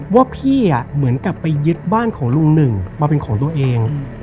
ว่าพี่เหมือนกับไปยึดบ้านของลุงหนึ่งมาเป็นของตัวเอง